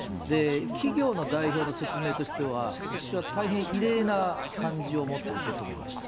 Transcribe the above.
企業の代表の説明としては、私は大変異例な感じを持って受け止めました。